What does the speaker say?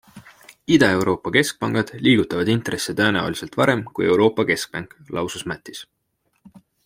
Ida-Euroopa keskpangad liigutavad intresse tõenäoliselt varem kui Euroopa Keskpank, lausus Matthes.